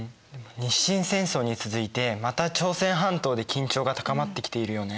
日清戦争に続いてまた朝鮮半島で緊張が高まってきているよね。